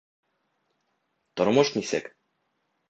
Тормош нисек?